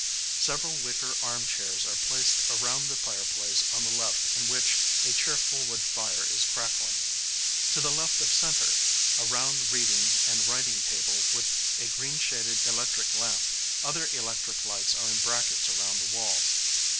Several wicker armchairs are placed around the fire place on the left in which a cheerful wood fire is crackling. To the left of centre, a round reading and writing table with a green shaded electric lamp. Other electric lights are in brackets around the walls.